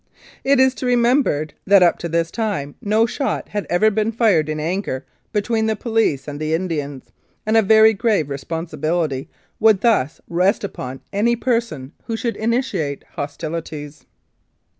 It is to be remem bered that up to this time no shot had ever been fired in anger between the police and the Indians, and a very grave responsibility would thus rest upon any person who should initiate hostilities.